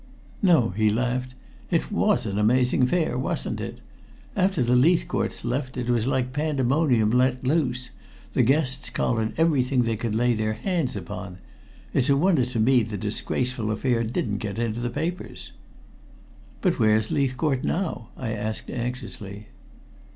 "No," he laughed. "It was an amazing affair, wasn't it? After the Leithcourts left it was like pandemonium let loose; the guests collared everything they could lay their hands upon! It's a wonder to me the disgraceful affair didn't get into the papers." "But where's Leithcourt now?" I asked anxiously.